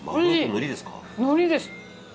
のりです。